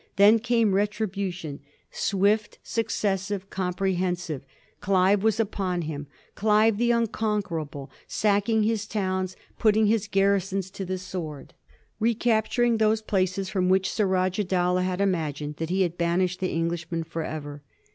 Then came retribution, swift, successive, compre hensive. Clive was upon him — Clive the unconquerable, sacking his towns, putting his garrisons to the sword, re capturing those places from which Surajah Dowlah had imagined that he had banished the Englishman forever.